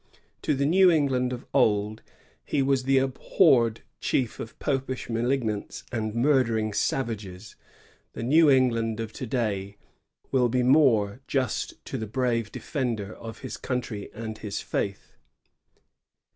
To the New England of old he was the abhorred chief of Popish malignants and murdering savages. The New England of to day will be more just to the braye defender of his country and his faith.